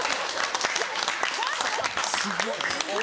すごい。